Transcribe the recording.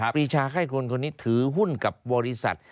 ปีชาให้คนคนนี้ถือหุ้นกับบริษัท